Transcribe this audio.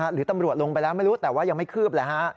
หรือตำรวจลงไปแล้วไม่รู้แต่ว่ายังไม่คืบเลยฮะ